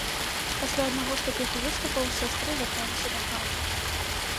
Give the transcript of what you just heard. Пасля аднаго з такіх выступаў сястры вярталіся дахаты.